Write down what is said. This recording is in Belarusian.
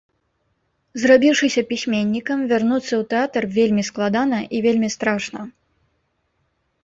Зрабіўшыся пісьменнікам, вярнуцца ў тэатр вельмі складана і вельмі страшна.